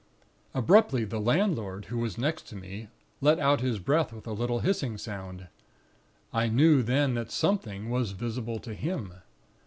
"Abruptly, the landlord, who was next to me, let out his breath with a little hissing sound; I knew then that something was visible to him.